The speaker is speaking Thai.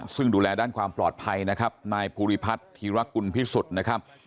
ซึ่งดูแลด้านความปลอดภัยนะครับนายภูริพัฒน์ธีรกุลพิสุทธิ์นะครับ